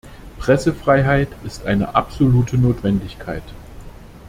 Pressefreiheit ist eine absolute Notwendigkeit.